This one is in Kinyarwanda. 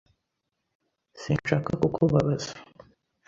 Sinshaka kukubabaza.